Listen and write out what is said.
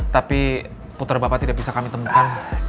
tapi putra bapak tidak bisa kami temukan